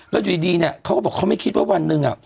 แล้วอยู่ดีเนี่ยเขาก็บอกเขาไม่คิดว่าวันหนึ่ง